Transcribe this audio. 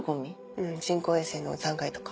うん人工衛星の残骸とか。